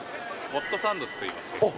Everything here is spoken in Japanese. ホットサンド作ります、結構。